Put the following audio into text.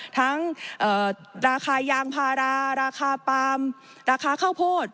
ราคายางพาราราคาปาล์มราคาข้าวโพด